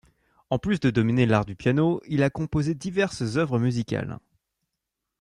En plus de dominer l'art du piano, il a composé diverses œuvres musicales.